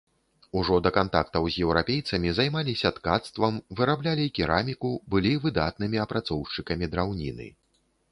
Ужо да кантактаў з еўрапейцамі займаліся ткацтвам, выраблялі кераміку, былі выдатнымі апрацоўшчыкамі драўніны.